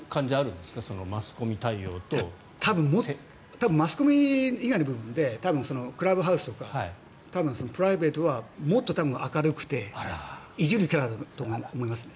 多分マスコミ以外の部分でクラブハウスとかプライベートはもっと多分、明るくていじるキャラだと思いますね。